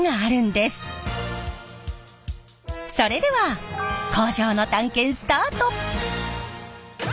それでは工場の探検スタート！